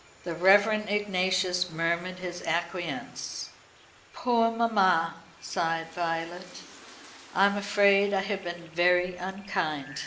The Reverend Ignatius murmured his acquiescence. "Poor mamma!" sighed Violet, "I am afraid I have been very unkind."